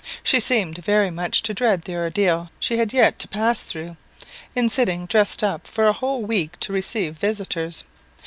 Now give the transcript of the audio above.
She seemed very much to dread the ordeal she had yet to pass through in sitting dressed up for a whole week to receive visitors.